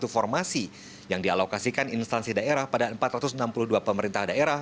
dan satu ratus enam puluh satu formasi yang dialokasikan instansi daerah pada empat ratus enam puluh dua pemerintah daerah